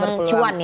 yang cuan ya